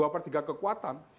dua per tiga kekuatan